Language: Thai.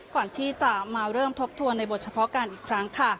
ก่อนที่จะมาเริ่มทบทวนในบทเฉพาะการอีกครั้งค่ะ